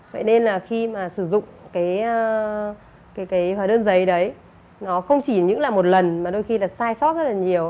vậy nên là khi mà sử dụng cái hóa đơn giấy đấy nó không chỉ những là một lần mà đôi khi là sai sót rất là nhiều